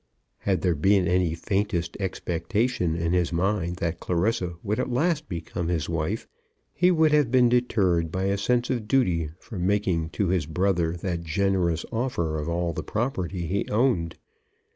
Had there been any faintest expectation in his mind that Clarissa would at last become his wife he would have been deterred by a sense of duty from making to his brother that generous offer of all the property he owned.